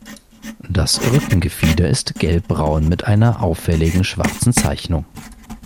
Das Rückengefieder ist gelbbraun mit einer auffälligen schwarzen Zeichnung.